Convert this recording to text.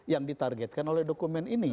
yang ditargetkan oleh dokumen ini